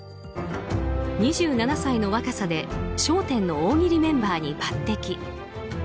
２７歳の若さで「笑点」の大喜利メンバーに抜擢。